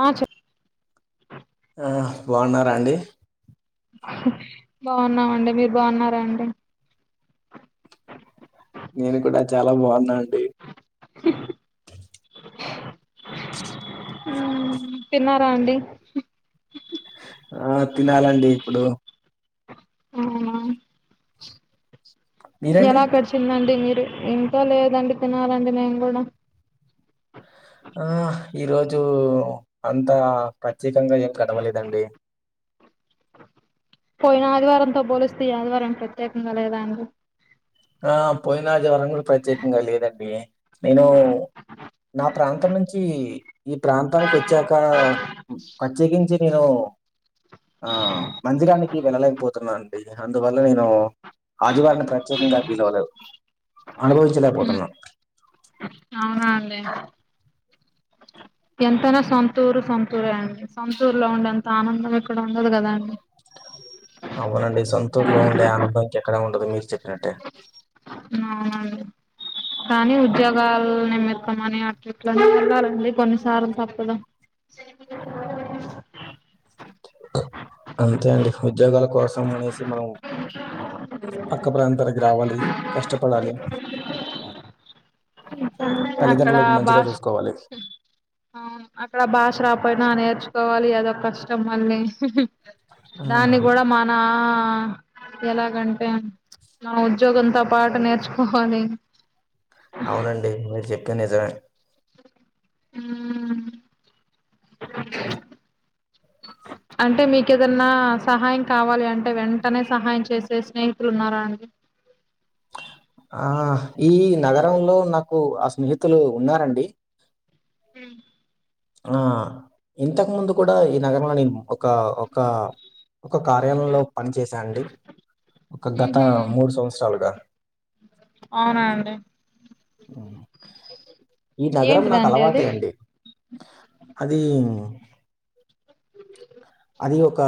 ఆ చెప్ ఆ బావున్నారా అండి బావున్నామండి మీరు బావున్నారా అండి నేను కూడా చాలా బాగున్నా అండి మ్ తిన్నారా అండి ఆ తినాలండి ఇప్పుడు అవునా మీరండి ఎలా గడిచిందండి మీరు ఇంకా లేదండి తినాలండి మేము కూడా ఆ ఈరోజు అంతా ప్రత్యేకంగా ఏం గడవలేదండి పోయిన ఆదివారంతో పోలిస్తే ఈ ఆదివారం ప్రత్యేకంగా లేదా అండి ఆ పోయిన ఆదివారం కూడా ప్రత్యేకంగా లేదండి నేను నా ప్రాంతం నుంచి ఈ ప్రాంతానికి వచ్చాక ప్రత్యేకించి నేను ఆ మందిరానికి వెళ్ళలేకపోతున్నా అండి అందువల్ల నేను ఆదివారన్ని ప్రత్యేకంగా ఫీల్ అవ్వలేదు అనుభవించలేకపోతున్నా అవునా అండి ఎంతైనా సొంతూరు సొంతూరే అండి సొంతూరు లో ఉండే అంత ఆనందం ఇక్కడ ఉండదు కదాండి అవునండి సొంతూరు లో ఉండే ఆనందం ఇంక ఎక్కడా ఉండదు మీరు చెప్పినట్టే అవునండి కానీ ఉద్యోగాల నిమ్మిత్తమని అట్లిట్లని వెళ్ళాలండి కొన్నిసార్లు తప్పదు అంతే అండి ఉద్యోగాల కోసం అనేసి మనం పక్క ప్రాంతానికి రావాలి కష్టపడాలి అక్కడ తల్లిదండ్రులకు మంచిగా భాష చూసుకోవాలి అవును అక్కడ బాష రాపోయినా నేర్చుకోవాలి అదో కష్టం మళ్ళీ ఆ దాన్ని కూడా మనా ఎలాగంటే నా ఉద్యోగంతో పాటూ నేర్చుకోవాలి అవునండి మీరు చెప్పి నిజమే ఊ అంటే మీకు ఏదన్నా సహాయం కావాలి అంటే వెంటనే సహాయం చేసే స్నేహితులున్నారా అండి ఆ ఈ నగరంలో నాకు ఆ స్నేహితులు ఉన్నారండి ఉమ్ అనా ఇంతకు ముందు కూడా ఈ నగరంలో నేను ఒక ఒక ఒక కార్యాలంలో పని చేసా అండి ఒక గత ఊహూ మూడు సంవత్సరాలుగా అవునా అండి ఈ నగరం నాకు ఏంటిదండి అది అలవాటే అండి అది అది ఒక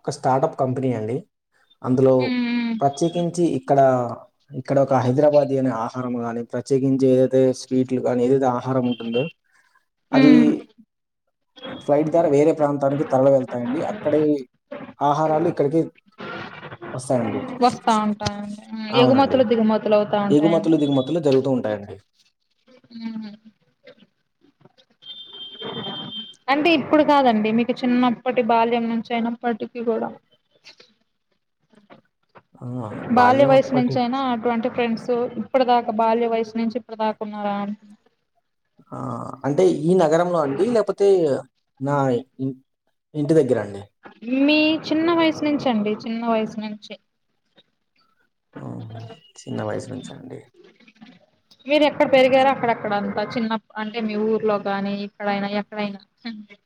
ఒక స్టార్టప్ కంపెనీ అండి అందులో మ్మ్ ప్రత్యేకించి ఇక్కడ ఇక్కడ ఒక హైదరాబాదీ అనే ఆహారం గానీ ప్రత్యేకించి ఏదైతే స్వీట్లు కానీ ఏదైతే ఆ హారం ఉంటుందో అది మ్మ్ ఫ్లైట్ ద్వారా వేరే ప్రాంతానికి తరలి వెళ్తాయండి అక్కడే ఆహారాలు ఇక్కడికి వస్తాయండి వస్తా ఉంటాయండి అవునండి ఎగుమతులు దిగుమతులు అవుతా ఉంటాయండి ఎగుమతులు దిగుమతులు జరుగుతూ ఉంటాయండి మ్మ్ అంటే ఇప్పుడు కాదండి మీకు చిన్నప్పటి బాల్యం నుంచి అయినప్పటికీ కూడా ఆ బాల్య బాల్యం వయసు అప్పటి నుంచి అయినా అటువంటి ఫ్రెండ్సు ఇప్పటి దాకా బాల్య వయసు నుంచి ఇప్పుడు దాకా ఉన్నారా ఆని ఆ అంటే ఈ నగరంలో అండి లేపోతే నాయ్ ఇ ఇంటి దగ్గర అండి మీ చిన్న వయసు నుంచి అండి చిన్న వయసు నుంచి ఊహూ చిన్న వయసు నుంచా అండి మీరు ఎక్కడ పెరిగారో అక్కడక్కడంతా చిన్న అంటే మీ ఊర్లో గాని ఇక్కడైనా ఎక్కడైనా ఉహుహ్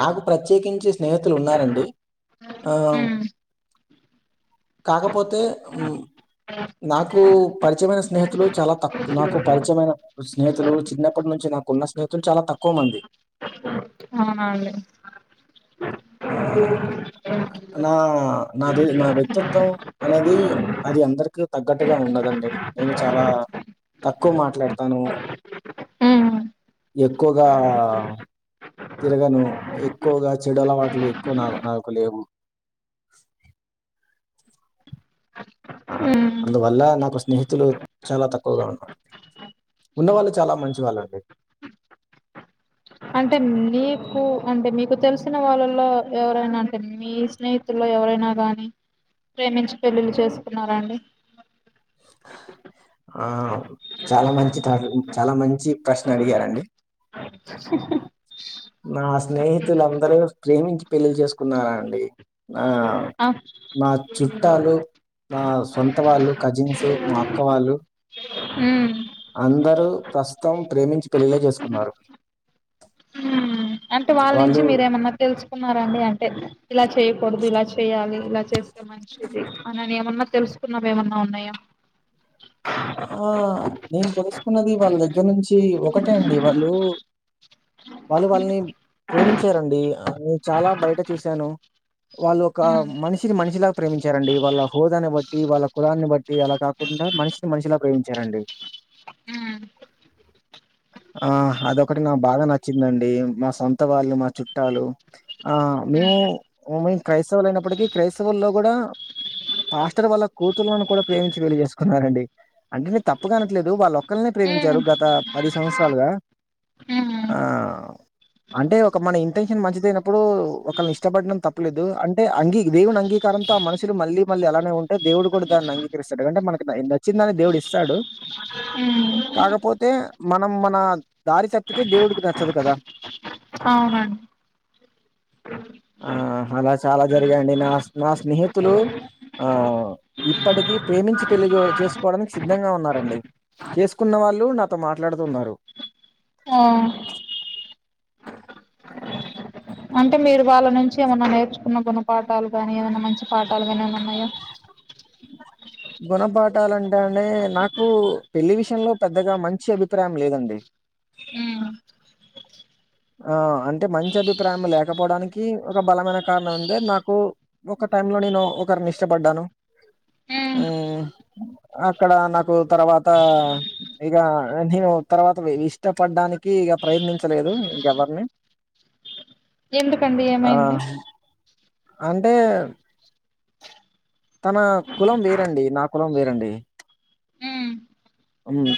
నాకు ప్రత్యేకించి స్నేహితులు ఉన్నారండి ఆవ్ ఉమ్ కాకపోతే ఉహ్మ్ నాకు పరిచయమైన స్నేహితులు చాలా తక్ నాకు పరిచయమైన స్నేహితులు చిన్నప్పటి నుంచి నాకు ఉన్న స్నేహితులు చాలా తక్కువ మంది. అవునా అండి. ఆ నా నాది నా వ్యక్తత్వం అనేది అది అందరికి తగ్గట్టుగా ఉండదండి నేను చాలా తక్కువ మాట్లాడతాను ఉమ్ ఎక్కువగా తిరగను ఎక్కువగా చెడు అలవాట్లు ఎక్కువ నా నాకు లేవు. ఆఆ ఉమ్ అందువల్ల నాకు స్నేహితులు చాలా తక్కువగా ఉన్నారు. ఉన్నవాళ్ళు చాలా మంచి వాళ్ళండి. అంటే మీకు అంటే మీకు తెలిసిన వాళ్ళలో ఎవరైనా అంటే మీ స్నేహి తులో ఎవరైనా గాని ప్రేమించి పెళ్ళిలు చేసుకున్నారా అండి. ఆ చాలా మంచి తరు చాలా మంచి ప్రశ్న అడిగారండి. హు హు నా స్నేహితుల్ అందరూ ప్రేమించి పెళ్ళిలు చేసుకున్నారా అండి నా ఆ నా చుట్టాలు నా సొంత వాళ్ళు కజిన్స్ మా అక్క వాళ్ళు ఉహ్ అందరు ప్రస్తుతం ప్రేమించి పెళ్ళిలే చేసుకున్నారు. అంటే వాళ్ళ నుంచి వాళ్ళు మీరేమన్నా తెలుసుకున్నారండి అంటే ఇలా చేయకూడదు ఇలా చేయాలి ఇలా చేస్త మంచిది అనని ఏమన్నా తెలుసుకున్నావ్ ఏమన్నా ఉన్నాయా. ఆ నేను తెలుసుకున్నది వాళ్ళ దగ్గర నుంచి ఒకటే అండి వాళ్ళు వాళ్ళు వాళ్ళని ప్రేమించారండి నీన్ చాలా బయట చూసాను. వాళ్ళు ఒక ఉమ్ మనిషిని మనిషిలాగా ప్రేమించారండి. వాళ్ళ హోదాని బట్టి వాళ్ళ కులాన్ని బట్టి అలాగా కాక్ కుండా మనిషిని మనిషిలా ప్రేమించారండి. హు ఆ అదొకటి నా బాగ నచ్చిందండి మా సొంత వాళ్ళు మా చుట్టాలు ఆ మేము మేము క్రైస్తవులు అయినప్పటికీ క్రైస్తవుల్లో గూడా పాస్టర్ వాళ్ల కూతులను కూడా ప్రేమించి పెళ్లి చేసుకున్నారండీ. అంటే నేను తప్పుగ అనట్లేదు వాళ్ళ ఒక్కళనే ప్రేమించారు గత పది సంవత్సరాలుగా ఉమ్ ఆ అంటే ఒక మన ఇంటెన్షన్ మంచిదయినప్పుడు, ఒకల్ని ఇష్టపడడం తప్పులేదు అంటే అంగీ దేవుని అంగీకారం. త మనుషులు మళ్ళీ మళ్ళీ అలానే ఉంటే దేవుడు కూడా దాన్ని అంగీకరిస్తారుడు అంటే మనకు ఎ చిన్నది దేవుడు ఇస్తాడు. ఉహ్ కాకపోతే మనం మన దారి తప్పితే దేవుడికి నచ్చదు కదా. అవునన్ ఆ హలా చాలా జరిగాయండి. నా నా స్నేహితులూ ఆ ఇప్పటికీ ప్రేమించి పెళ్లి జోడ్ చేస్ కోడెమేక్ సిద్ధంగా ఉన్నారండి చేసుకున్న వాళ్ళు నాతో మాట్లాడుతూన్నారు. ఆ అంటే మీరు వాళ్ళ నుంచి ఏమన్నా నేర్చుకున్న గుణపాఠాలు గాని ఏదైన్నా మంచి పాఠాలు గాని ఏమన్న ఉన్నాయా. గుణపాఠాలంటే అండి నాకు పెళ్ళి విషయ లో పెద్దగా మంచి అభిప్రాయం లేదండి. ఉం ఆ అంటే మంచి అభిప్రాయం లేకపోవడానికి ఒక బలమైన కారణం ఉందే నాకు ఒక టైమ్ లో నేను ఒకరిని ఇష్టపడ్డాను ఉమ్ ఉం అక్కడ నాకు తర్వాత ఇగ నేను తర్వాతవి ఇష్టపడ్డానికి ఇక ప్రయత్నించలేదు ఎవరిని ఎందుకండి ఆ ఏమైంది అంటే తనా కులం వేరండి నా కులం వేరండి ఉమ్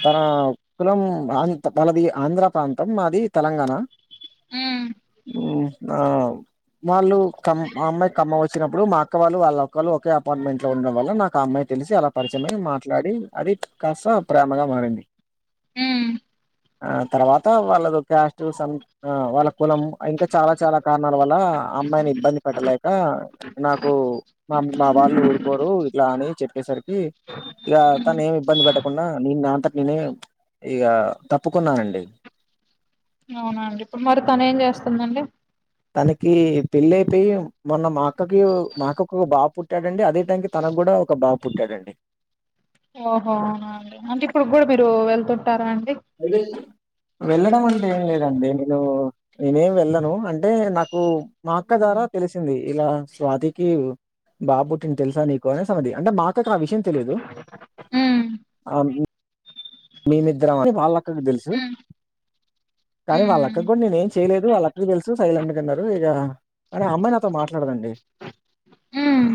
తనా కులం అంత వాలది ఆంధ్ర ప్రాంతం మాది తెలంగాణ ఉమ్ ఉం ఆ వాళ్ళు కమ్ ఆ అమ్మాయి కమ్మం వచ్చినప్పుడు మా అక్క వాళ్ళు వాళ్ళ ఒక్కళ్ళ ఒకే అపార్ట్మెంట్ లో ఉండడం వల్ల నాకు ఆ అమ్మాయి తెలిసి అలా పరిచయమై మాట్లాడి అది కాస్త ప్రేమగా మారింది ఉం ఆ తర్వాత వాళ్ళది ఓ క్యాస్ట్ సం ఆ వాళ్ళ కులం ఇంకా చాలా చాలా కారణాల వల్ల ఆ అమ్మాయిని ఇబ్బంది పెట్టలేక నాకు మా మా వాళ్ళు ఊరుకోరు ఇట్లా అని చెప్పేసరికి ఇగా తను ఏమి ఇబ్బంది పెట్టకుండా నేను నా అంతటి నేనే ఇక తప్పుకున్నానండి అవునా అండి ఇప్పుడు మరి తను ఏం చేస్తుందండి తనకీ పెళ్ళి అయిపోయి మొన్న మా అక్కకి మాక్కకు బాబ పుట్టాడండి అదే టైమ్కి తనకూడా ఒక బాబు పుట్టాడండి ఓహో అవునా అండి అంటే ఇప్పుడు కూడా మీరు వెళ్తుంటారా అండి వెళ్ళడం అంటే ఏం లేదండి [unintelligible] నేనేం వెళ్ళను అంటే నాకు మా అక్క ద్వారా తెలిసింది ఇలా స్వాతికి బాబు పుట్టింది తెలుసా నీకు అనేసి అన్నది అంటే మా అక్కకు ఆ విషయం తెలీదు ఉమ్ ఆ మేమిద్దరం అని వాళ్ళక్కకి తెలుసు కానీ వాళ్ళక్కకి కూడా నేనే ఏం చేయలేదు వాళ్ళ అక్కకి తెలుసు సైలెంట్గున్నారు ఇక కాని ఆ అమ్మాయి నాతో మాట్లాడదండి ఉమ్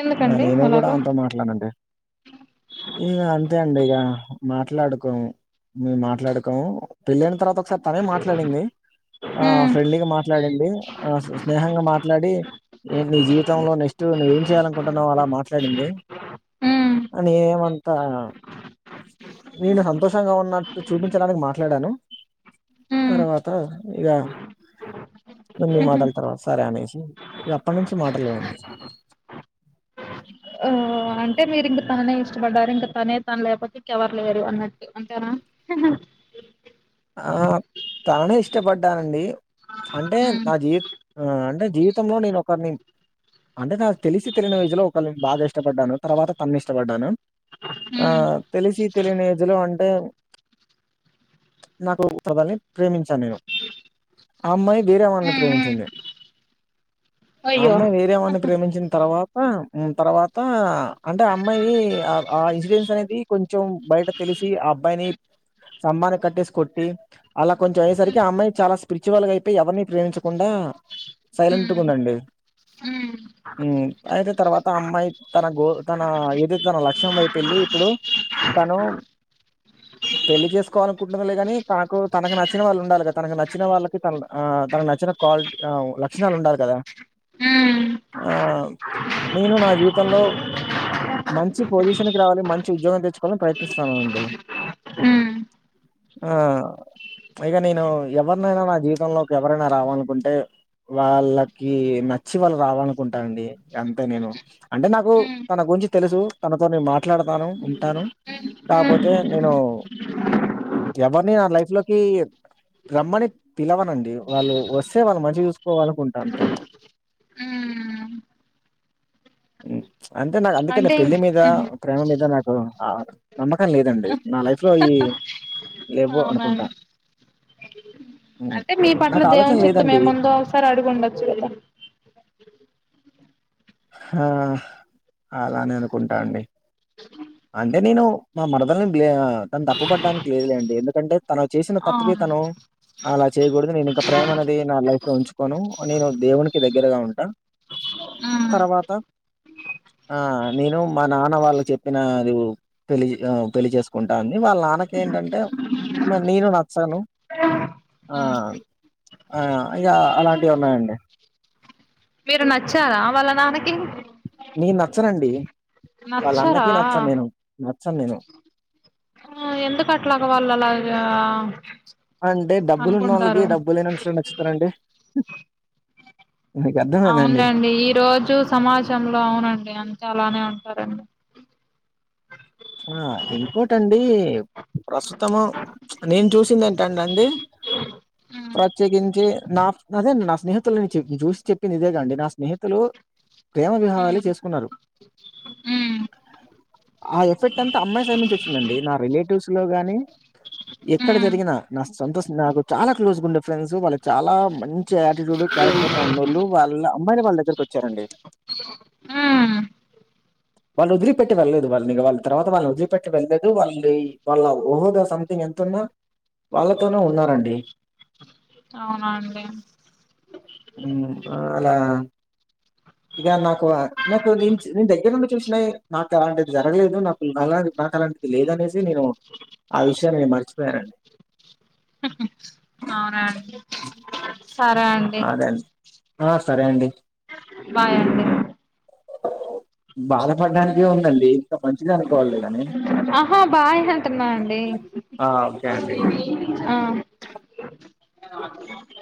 ఎందుకండి నేను కూడా అలాగా ఆమెతో మాట్లాడనండి ఇగా అంతే అండి ఇగా మాట్లాడుకోము మేము మాట్లాడుకోము పెళ్ళైన తర్వాత ఒకసారి తనే మాట్లాడింది ఆ ఉమ్ ఫ్రెండ్లీగా మాట్లాడింధి ఆ స్నేహంగా మాట్లాడి ఏంటి నీ జీవితంలో నెక్స్ట్ నువ్వ ఏం చేయాల కుంటున్నావ్ అలా మాట్లాడింది ఉమ్ అని ఏమంతా నేను సంతోషంగా ఉన్నట్టు చూపించడానికి మాట్లాడాను ఉమ్ తర్వాత ఇగా కొన్ని మాటల తర్వాత సరే అనేసి ఇగ అప్పటి నుంచి మాటలు లేవండి ఆ అంటే మీరు ఇంక తననే ఇష్టపడ్డారు ఇంక తనే తన లేకపోతే ఇంకెవరు లేరు అన్నట్టు అంతేనా ఆ తననే ఇష్టపడ్డానండి అంటే ఉమ్ నా జీవిత ఆ అంటే జీవితంలో నేను ఒకరిని అంటే నాకు తెలిసి తెలియని వయసులో ఒకళ్ళ బాగా ఇష్టపడ్డాను తర్వాత తన ఇష్టపడ్డాను ఆ ఉమ్ తెలిసి తెలియని ఏజ్ లో అంటే [unintelligible] నాకు చదని ప్రేమించాను నేను ఆ అమ్మాయి వేరేవాడిని ఉమ్ ఉమ్ ప్రేమించింది ఆ అయ్యో అమ్మాయి వేరేవాడిని ప్రేమించిన తర్వాత ఆ తర్వాత అంటే అమ్మాయి ఆ ఆ ఇన్సిడెన్స్ అనేది కొంచెం బయట తెలిసి ఆ అబ్బాయిని సమాన కట్టేసి కొట్టి అలా కొంచెం అయేసరికి అమ్మాయి చాలా స్పిరిచువల్ గా అయిపోయి ఎవరిని ప్రేమించకుండా సైలెంట్ గా ఉందండి ఉ ఉ అయితే తర్వాత అమ్మాయి తన గో తన ఏదై తన లక్ష్యం వైపు వెళ్ళి ఇప్పుడు తను పెళ్లి చేసుకోను ఉంటది గాని తనకు తనకు నచ్చిన వాళ్ళు ఉండాలి కద తనకి నచ్చిన వాళ్ళకి త తన నచ్చిన క్వాలి లక్షణాలు ఉండాలి కదా ఉ ఆ నేను నా జీవితంలో మంచి పొజిషన్ కి రావాలి మంచి ఉద్యోగం తెచ్చుకోవాలని ప్రయత్నిస్తున్నాను అండి ఉమ్ ఆ పైగా నేను ఎవరినైనా నా జీవితంలోకి ఎవరైనా రావాలనుకుంటే వాళ్ళకి నచ్చి వాళ్ళు రావాలనుకుంటా అండి అంతే నేను అంటే నాకు ఉమ్ తన గురించి తెలుసు తనతో నేను మాట్లాడతాను ఉంటాను కాకపోతే ఉమ్ నేను ఎవరిని నా లైఫ్ లోకి రమ్మని పిలవనండి వాళ్ళు వస్తే వాళ్ళు మంచిగా చూసుకోవాలకుంట అంతే అండి ఉ అంటే నాకు అందుకే అంటే పెళ్లి ఇంక్ మీద ప్రేమ మీద నాకు నమ్మకం లేదండి నా లైఫ్ లో ఈ లేవు అవునా అనుకుంటా అండి హ్మ్. అంటే మీ పట్ల నాకు ఆలోచన దేవుడు చిత్త ఏమో లేదండి. ఉందో ముందు ఒకసారి అడుగు ఉండొచ్చు కదా ఆ అలానే అనుకుంటా అండి ఆ అంటే నేను మా మరదల్ నీ తను తప్పు పడ్డానికి లేదులేండి ఎందుకంటే తను చేసిన తప్పుకి అవును తను అలా చేయకూడదు నేను ఇంకా ప్రేమ అనేది నా లైఫ్ లో ఉంచుకోను నేను దేవుకి దగ్గరగా ఉంటా ఆ తర్వాత ఆ నేను మా నాన్న వాళ్ళు చెప్పిన రూ పెళ్లి పెళ్ళ చేసుకుంటా అని వాళ్ళ నాన్నకు ఏంటంటే నేను నచ్చాను ఆ ఆ ఇక అలాంటివి ఉన్నాయండి మీరు నచ్చారా వాళ్ళ నాన్నకి నేను నచ్చనండి వాళ్ళ నచ్చరా అన్నకి నచ్చను నేను నచ్చను నేను ఆ ఎందు కట్లా వాళ్లు అలాగా అంటే డబ్బులు ఉన్నళ్ళకి అనుకుంటారు డబ్బులు లేనోళ్లు నచ్చుతారండి మీకు అర్థమైందండి అవునులేండి ఈ రోజు సమాజంలో అవునండి అంత అలానే ఉంటారండి ఆ ఇంకోటండి ప్రస్తుతము నేను చూసింది ఏంటండి అండి ఉ ప్రత్యేకించి నా అదే నా స్నేహితులు చూసి చెప్పింది ఇదేగాండి నా స్నేహితులు ప్రేమ వివాహాలే చేసుకున్నారు ఉ ఆ ఎఫెక్ట్ అంతా అమ్మాయి సైడ్ నుంచి వచ్చిందండి నా రిలేటివ్స్ లో గాని ఎక్కడ మ్మ్ జరిగినా నా సంతోషం నాకు చాలా క్లోజ్గా ఉండే ఫ్రెండ్స్ వాళ్ళకి చాలా మంచి ఆటిట్యూడ్ క్యారెక్టర్ వాళ్లతో ఉన్నోళ్ళు వాళ్ళ అమ్మాయి వాళ్ళ దగ్గరకి వచ్చారండి ఆ వాళ్లని వదిలిపెట్టలేదు వాళ్లు వేరే వాళ్లు తర్వాత వాళ్ళు వదిలిపెటి వెళ్లేదు వాళ్ళ వాళ్ళ ఓహోదా సంథింగ్ ఎంతతున్నా వాళ్ళతోనే ఉన్నారండి అవునండి ఉమ్మ్ అలా [unintelligible] నాకు నాకు నేను దగ్గర నుండి చూసిన నాకు అలాంటిది జరగలేదు నాకు ఇవ్వాల నాకు అలాంటిది లేదనేసి నేను ఆ విషయాన్ని నేను మర్చిపోయానండి అవునా అండి సరే అం [unintelligible] ఆ సరే అండి బాయ్ అం బాధపడడానికి ఏముందండి ఇంకా మంచిది అనుకోవాలి కాని ఆహా బాయ్ అంటున్నా అండి ఆ ఓకే అండి ఆ [inaudible]